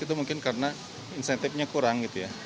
itu mungkin karena insentifnya kurang gitu ya